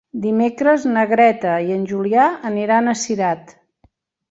Dimecres na Greta i en Julià aniran a Cirat.